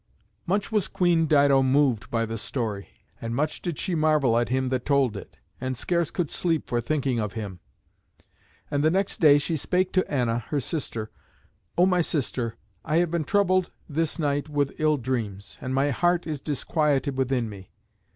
Much was Queen Dido moved by the story, and much did she marvel at him that told it, and scarce could sleep for thinking of him. And the next day she spake to Anna, her sister, "O my sister, I have been troubled this night with ill dreams, and my heart is disquieted within me.